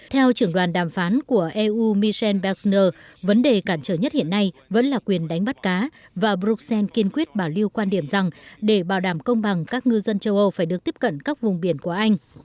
theo trưởng đoàn đàm phán của eu michel berksner vấn đề cản trở nhất hiện nay vẫn là quyền đánh bắt cá và bruxelles kiên quyết bảo lưu quan điểm rằng để bảo đảm công bằng các ngư dân châu âu phải được tiếp cận các vùng biển của anh